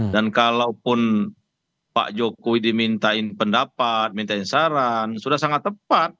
dan kalaupun pak jokowi dimintain pendapat mintain saran sudah sangat tepat